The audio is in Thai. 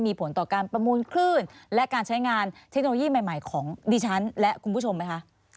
มีผลต่อการประมูลคลื่นและการใช้งานเทคโนโลยีใหม่ของดิฉันและคุณผู้ชมไหมคะ